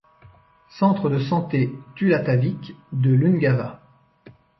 Centre de santé Tulattavik de l’Ungava.